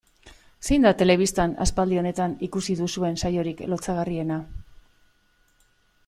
Zein da telebistan aspaldi honetan ikusi duzuen saiorik lotsagarrienak?